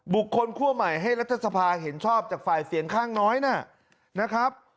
คั่วใหม่ให้รัฐสภาเห็นชอบจากฝ่ายเสียงข้างน้อยนะครับ